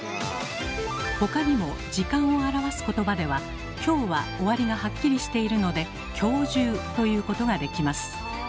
他にも時間を表す言葉では「今日」は終わりがハッキリしているので「今日中」と言うことができます。